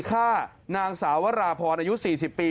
ฆ่านางสาววราพรอายุ๔๐ปี